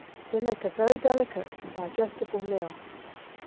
They make a very delicate and digestible meal.